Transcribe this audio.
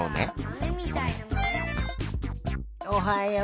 おはよう。